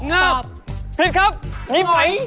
งับตอบผิดครับ